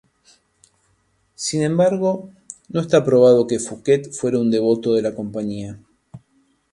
Sin embargo, no está probado que Fouquet fuera un devoto de la compañía.